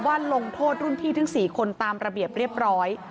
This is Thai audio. ลงโทษรุ่นพี่ทั้ง๔คนตามระเบียบเรียบร้อย